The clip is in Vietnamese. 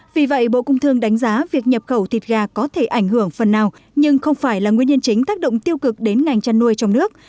vì vậy bộ công thương đánh giá việc nhập khẩu thịt gà có thể ảnh hưởng phần nào nhưng không phải là nguyên nhân chính tác động tiêu cực đến ngành chăn nuôi trong nước